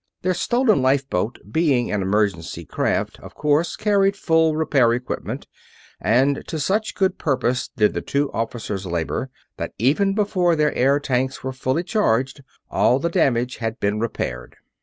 Their stolen lifeboat, being an emergency craft, of course carried full repair equipment; and to such good purpose did the two officers labor that even before their air tanks were fully charged, all the damage had been repaired.